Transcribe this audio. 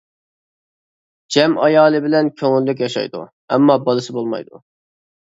جەم ئايالى بىلەن كۆڭۈللۈك ياشايدۇ، ئەمما بالىسى بولمايدۇ.